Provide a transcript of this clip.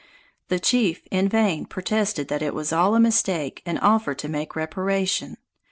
The chief in vain protested that it was all a mistake and offered to make reparation.